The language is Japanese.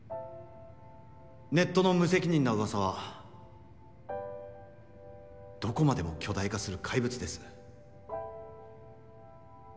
ネットの無責任な噂はどこまでも巨大化する怪物です。